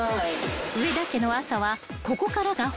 ［上田家の朝は］